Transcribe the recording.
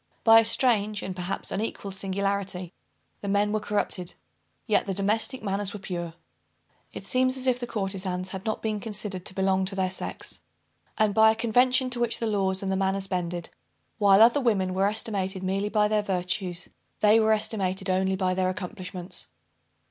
By a strange and perhaps unequalled singularity the men were corrupted, yet the domestic manners were pure. It seems as if the courtezans had not been considered to belong to their sex; and, by a convention to which the laws and the manners bended, while other women were estimated merely by their virtues, they were estimated only by their accomplishments.